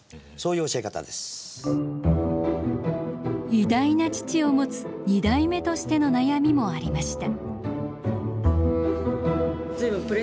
偉大な父を持つ２代目としての悩みもありました。